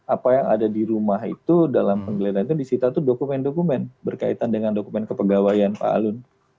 apa yang ada di rumah itu dalam penggeledahan itu disita itu dokumen dokumen berkaitan dengan dokumen kepegawaian pak alun